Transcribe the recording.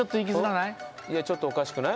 いやちょっとおかしくない？